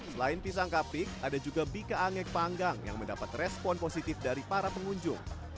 selain pisang kapik ada juga bika anget panggang yang mendapat respon positif dari para pengunjung